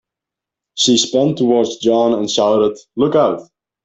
She spun towards John and shouted, "Look Out!"